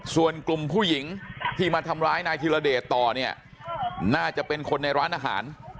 ส่วนกลุ่มผู้หญิงที่มาทำร้ายนายธิรเดชต่อเนี่ยน่าจะเป็นคนในร้านอาหาร